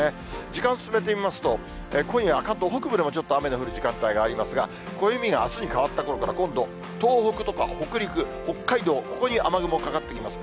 時間進めてみますと、今夜は関東北部でもちょっと雨の降る時間帯がありますが、暦があすに変わったころから、今度、東北とか北陸、北海道、ここに雨雲かかってきます。